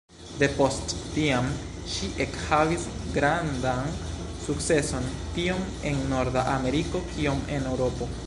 Depost tiam, ŝi ekhavis grandan sukceson, tiom en Norda Ameriko kiom en Eŭropo.